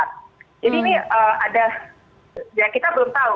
jadi ini ada ya kita belum tahu